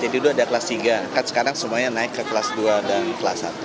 jadi dulu ada kelas tiga sekarang semuanya naik ke kelas dua dan kelas satu